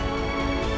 kembali ke rumah saya